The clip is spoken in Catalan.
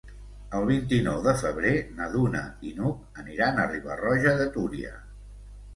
El vint-i-nou de febrer na Duna i n'Hug aniran a Riba-roja de Túria.